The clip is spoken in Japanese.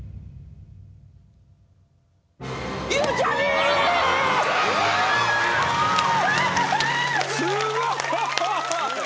すごい！